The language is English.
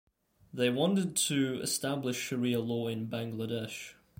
They wanted to establish sharia law in Bangladesh.